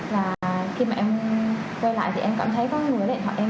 và khi mà em quay lại thì em cảm thấy có người lấy điện thoại em